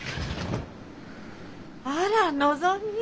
あらのぞみ。